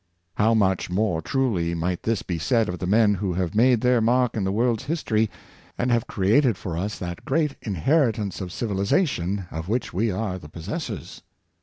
How much more truly might this be said of the men who have made their mark in the world's histor}^, and have created for us that great inheritance of civilization of which we are the pos sessors